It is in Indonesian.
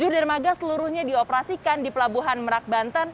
tujuh dermaga seluruhnya dioperasikan di pelabuhan merak banten